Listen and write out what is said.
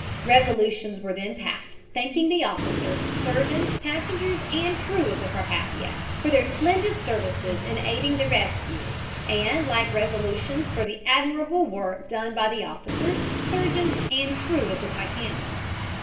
Resolutions were then passed thanking the officers, surgeons, passengers and crew of the Carpathia for their splendid services in aiding the rescued and like resolutions for the admirable work done by the officers, surgeons and crew of the Titanic.